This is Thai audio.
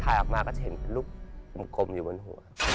ถ้าออกมาก็จะเห็นลูกกลมอยู่บนหัว